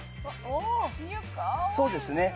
そうですね。